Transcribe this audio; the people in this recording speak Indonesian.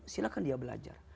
silahkan dia belajar